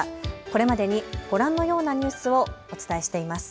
これまでにご覧のようなニュースをお伝えしています。